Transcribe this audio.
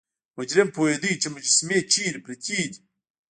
مجرم پوهیده چې مجسمې چیرته پرتې دي.